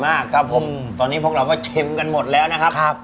มากครับผมตอนนี้พวกเราก็ชิมกันหมดแล้วนะครับ